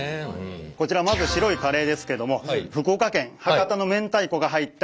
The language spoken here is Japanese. こちらまず白いカレーですけども福岡県博多のめんたいこが入ったカレーになっております。